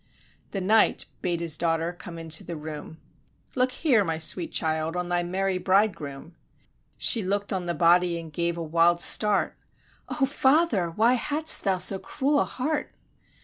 The knight bade his daughter come into the room: "Look here, my sweet child, on thy merry bridegroom." She look'd on the body, and gave a wild start; "O father, why hadst thou so cruel a heart?"